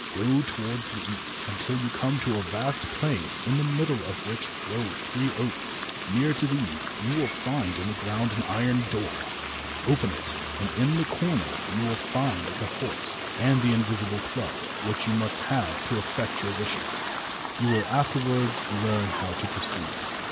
Go towards the east until you come to a vast plain in the middle of which grow three oaks. Near to these you will find in the ground an iron door. Open it, and in a corner you will find the horse and the invisible club, which you must have to effect your wishes. You will afterwards learn how to proceed."